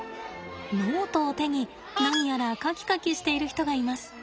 ノートを手に何やら描き描きしている人がいます。